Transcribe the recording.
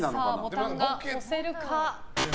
ボタン押せるか。